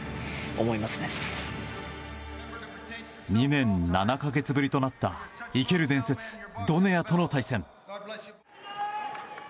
２年７か月ぶりとなった生ける伝説ドネアとの対戦。